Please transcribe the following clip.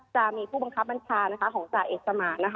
จะมีผู้บังคับบัญชาของจ่าเอกสมาน